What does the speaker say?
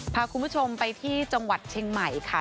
พาคุณผู้ชมไปที่จังหวัดเชียงใหม่ค่ะ